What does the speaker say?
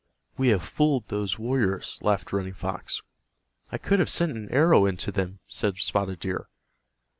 "We have fooled those warriors," laughed Running Fox. "I could have sent an arrow into them," said Spotted Deer.